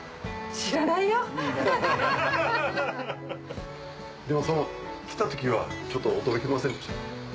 知らないよ。でも来た時はちょっと驚きませんでした？